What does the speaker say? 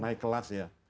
naik kelas ya